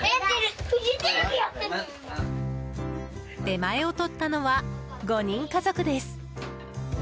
出前を取ったのは５人家族です。